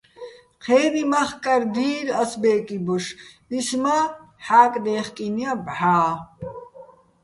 ჴე́ნი მახკარ დი́ლ ას ბე́კი ბოშ, ის მა́ ჰ̦აკდე́ხკინო̆ ჲა ბჵა́.